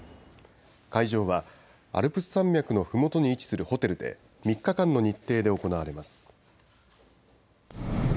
会場はアルプス山脈のふもとに位置するホテルで、３日間の日程で行われます。